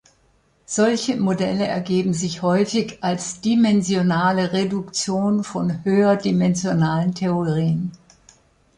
Solche Modelle ergeben sich häufig als dimensionale Reduktion von höherdimensionalen Theorien.